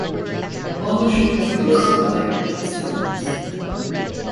All the shows were sold out in just hours.